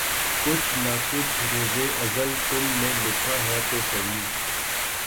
کچھ نہ کچھ روزِ ازل تم نے لکھا ہے تو سہی